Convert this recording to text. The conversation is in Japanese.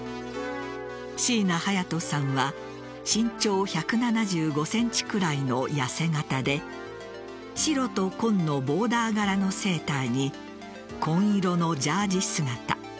椎名隼都さんは身長１７５ｃｍくらいのやせ形で白と紺のボーダー柄のセーターに紺色のジャージ姿。